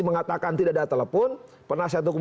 mengatakan tidak ada telepon penasihat hukum